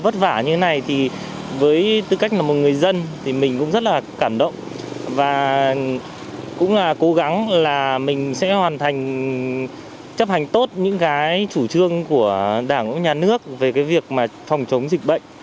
vất vả như thế này thì với tư cách là một người dân thì mình cũng rất là cảm động và cũng là cố gắng là mình sẽ hoàn thành chấp hành tốt những cái chủ trương của đảng nhà nước về cái việc mà phòng chống dịch bệnh